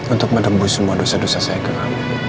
untuk menebus semua dosa dosa saya ke kamu